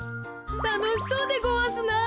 たのしそうでごわすな。